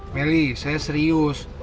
meli saya serius